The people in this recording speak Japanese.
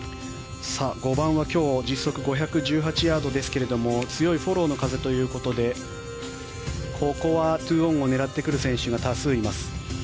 ５番は今日実測５１８ヤードですけれども強いフォローの風ということでここは２オンを狙ってくる選手が多数います。